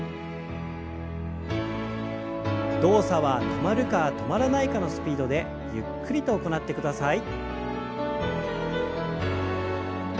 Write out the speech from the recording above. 動作は止まるか止まらないかのスピードでゆっくりと行ってください。